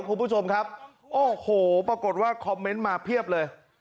คุณผู้ชมครับโอ้โหปรากฏว่าคอมเมนต์มาเพียบเลย